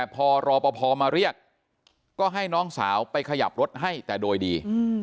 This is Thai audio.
พอรอปภมาเรียกก็ให้น้องสาวไปขยับรถให้แต่โดยดี